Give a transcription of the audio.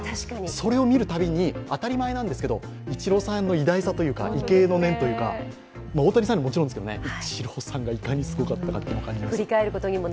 それを見るたびに当たり前なんですけどイチローさんの偉大さというか、畏敬の念というか、大谷さんももちろんですけれども、イチローさんがいかにすごかったか感じます。